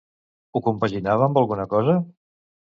Ho compaginava amb alguna cosa?